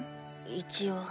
一応。